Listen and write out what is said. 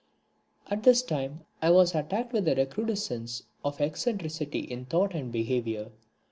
At this time I was attacked with a recrudescence of eccentricity in thought and behaviour.